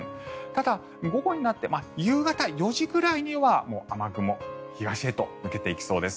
ただ、午後になって夕方４時ぐらいには雨雲、東へと抜けていきそうです。